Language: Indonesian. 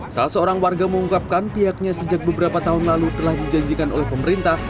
salah seorang warga mengungkapkan pihaknya sejak beberapa tahun lalu telah dijanjikan oleh pemerintah